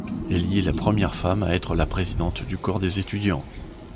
Elle y est la première femme à être la présidente du corps des étudiants.